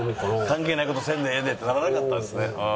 「関係ない事せんでええねん」ってならなかったんですね。